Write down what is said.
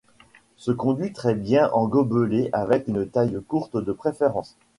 Se conduit très bien en gobelet avec une taille courte de préférence.